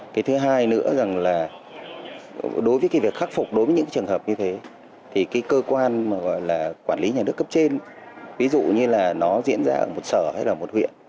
cái thứ hai nữa là đối với việc khắc phục đối với những trường hợp như thế thì cơ quan quản lý nhà nước cấp trên ví dụ như là nó diễn ra ở một sở hay là một huyện